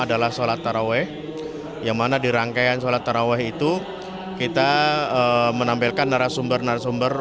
adalah sholat taraweh yang mana di rangkaian sholat taraweh itu kita menampilkan narasumber narasumber